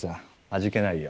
味気ないよ。